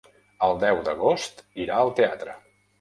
El deu d'agost irà al teatre.